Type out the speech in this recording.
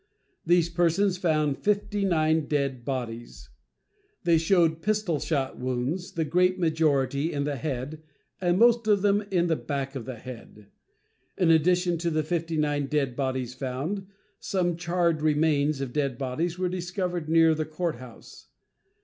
These persons found fifty nine dead bodies. They showed pistol shot wounds, the great majority in the head, and most of them in the back of the head. In addition to the fifty nine dead bodies found, some charred remains of dead bodies were discovered near the court house.